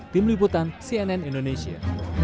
tim liputan cnn indonesia